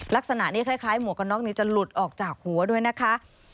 ลักษณะนี้คล้ายหมวกกันน็อกนี้จะหลุดออกจากหัวด้วยนะคะ